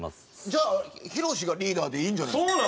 じゃあヒロシがリーダーでいいんじゃないですか？